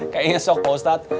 kayaknya shock pak ustadz